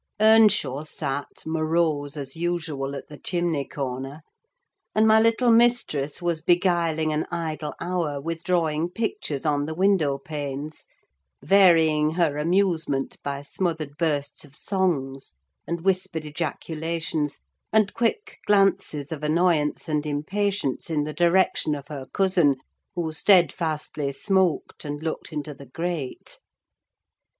Earnshaw sat, morose as usual, at the chimney corner, and my little mistress was beguiling an idle hour with drawing pictures on the window panes, varying her amusement by smothered bursts of songs, and whispered ejaculations, and quick glances of annoyance and impatience in the direction of her cousin, who steadfastly smoked, and looked into the grate.